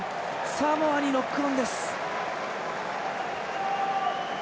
サモアにノックオンです。